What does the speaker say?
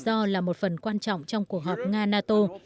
giảm thiểu rủi ro là một phần quan trọng trong cuộc họp nga nato